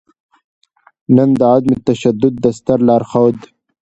نــن د عـدم تـشدود د ســتــر لارښــود